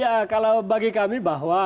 ya kalau bagi kami bahwa